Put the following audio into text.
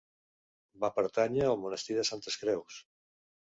Va pertànyer al monestir de Santes Creus.